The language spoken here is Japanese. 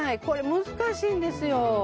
これ難しいんですよ。